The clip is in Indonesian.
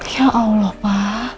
ya allah pa